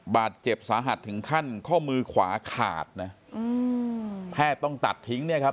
บาดเจ็บสาหัสถึงขั้นข้อมือขวาขาดนะอืมแพทย์ต้องตัดทิ้งเนี่ยครับ